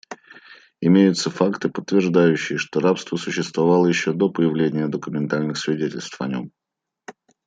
Имеются факты, подтверждающие, что рабство существовало еще до появления документальных свидетельств о нем.